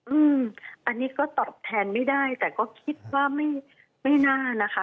อืมอันนี้ก็ตอบแทนไม่ได้แต่ก็คิดว่าไม่ไม่น่านะคะ